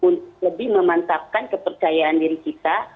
untuk lebih memantapkan kepercayaan diri kita